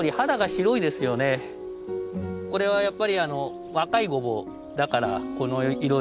これはやっぱり若いごぼうだからこの色で。